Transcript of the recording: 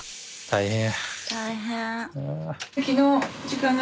大変。